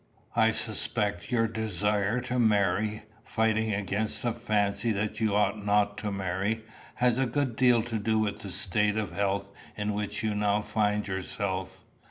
I suspect your desire to marry, fighting against the fancy that you ought not to marry, has a good deal to do with the state of health in which you now find yourself.